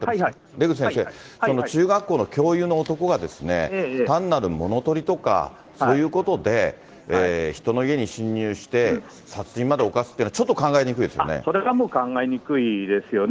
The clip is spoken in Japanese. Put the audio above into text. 出口先生、その中学校の教諭の男が、単なる物取りとか、そういうことで、人の家に侵入して、殺人まで犯すっていうのは、ちょっと考えにくそれはもう考えにくいですよね。